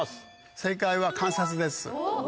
正解は観察です。